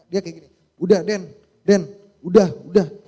dia kayak gini udah den den udah udah